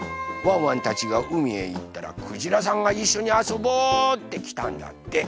ワンワンたちがうみへいったらくじらさんが「いっしょにあそぼう」ってきたんだって。